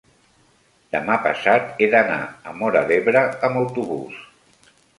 demà passat he d'anar a Móra d'Ebre amb autobús.